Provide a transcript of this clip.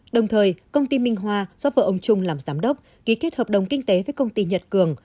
đồng thời công ty minh hoa do vợ ông trung làm giám đốc ký kết hợp đồng kinh tế với công ty nhật cường